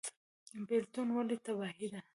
بیلتون ولې تباهي ده؟